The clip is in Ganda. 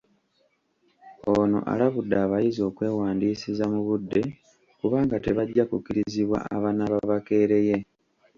Ono alabudde abayizi okwewandiisiza mu budde kubanga tebajja kukkirizibwa abanaaba bakeereye.